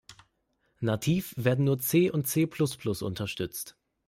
Nativ werden nur C und C-plus-plus unterstützt.